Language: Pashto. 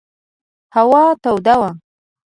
هوا توده وه.